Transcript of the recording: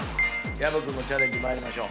薮君のチャレンジ参りましょう。